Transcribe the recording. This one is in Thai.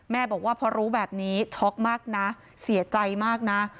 บอกว่าพอรู้แบบนี้ช็อกมากนะเสียใจมากนะ